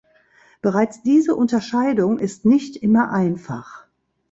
Bereits diese Unterscheidung ist nicht immer einfach.